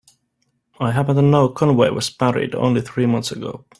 I happen to know Conway was married only three months ago.